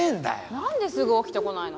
なんですぐ起きてこないの？